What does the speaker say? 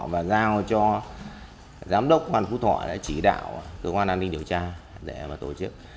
và giao cho giám đốc hoàng phú thọ đã chỉ đạo cơ quan đánh điểm điều tra để tổ chức